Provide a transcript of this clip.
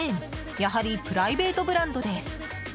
やはりプライベートブランドです。